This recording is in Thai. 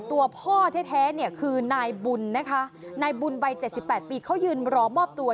ตัวพ่อแท้เนี่ยคือนายบุญนะคะนายบุญวัย๗๘ปีเขายืนรอมอบตัว